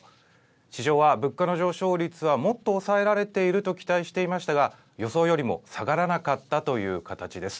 市場は物価の上昇率はもっと抑えられていると期待していましたが、予想よりも下がらなかったという形です。